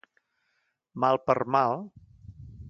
Mal per mal.